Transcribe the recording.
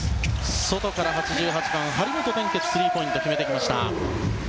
外から８８番の張本天傑スリーポイントを決めてきました。